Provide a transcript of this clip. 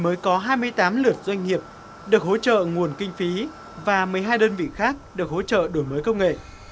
mới có hai mươi tám lượt doanh nghiệp được hỗ trợ nguồn kinh phí và một mươi hai đơn vị khác được hỗ trợ đổi mới công nghệ